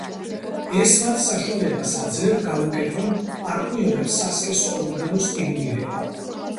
ეს მათ საშუალებას აძლევთ გაუკეთონ პარტნიორის სასქესო ორგანოს სტიმულირება.